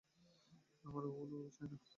আমার ওগুলো চাই না।